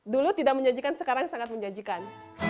dulu tidak menjanjikan sekarang sangat menjanjikan